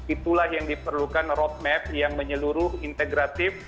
itulah yang diperlukan roadmap yang menyeluruh integratif